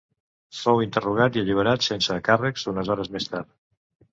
Fou interrogat i alliberat sense càrrecs unes hores més tard.